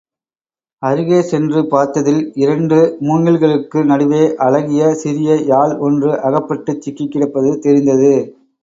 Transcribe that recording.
அருகே சென்று பார்த்ததில் இரண்டு மூங்கில்களுக்கு நடுவே அழகிய சிறிய யாழ் ஒன்று அகப்பட்டுச் சிக்கிக்கிடப்பது தெரிந்தது.